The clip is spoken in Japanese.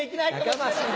やかましい！